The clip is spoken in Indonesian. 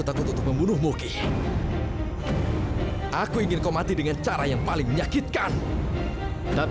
dan mereka sekarang dengan hal yang pertama